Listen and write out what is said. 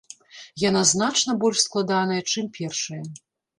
Яна значна больш складаная, чым першая.